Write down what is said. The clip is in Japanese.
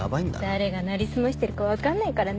誰が成り済ましてるか分かんないからね。